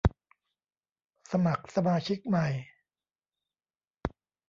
สมัครสมาชิกใหม่